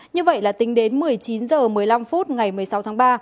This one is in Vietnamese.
như vậy là tính đến một mươi chín h một mươi năm phút ngày một mươi sáu tháng ba